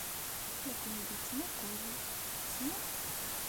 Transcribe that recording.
La ken-id-yettmuqqul. Tessnem-t?